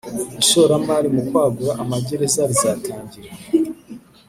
ishoramari mu kwagura amagereza rizatangira